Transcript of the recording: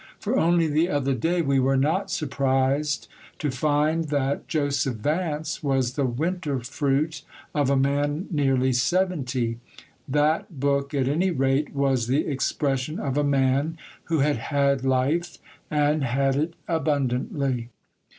For only the other day we were not surprised to find that Joseph Vance was the winter fruit of a man nearly seventy; that book at any rate was the expression of a man who had had life, and had it abundantly.